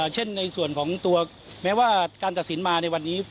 เช่นในส่วนของตัวแม้ว่าการตัดสินมาในวันนี้